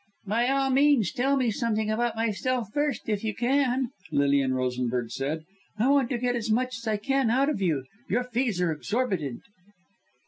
"By all means tell me something about myself first if you can," Lilian Rosenberg said. "I want to get as much as I can out of you. Your fees are exorbitant."